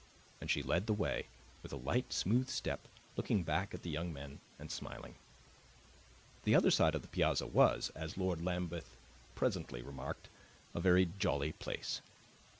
And she led the way, with a light, smooth step, looking back at the young men and smiling. The other side of the piazza was, as Lord Lambeth presently remarked, a very jolly place.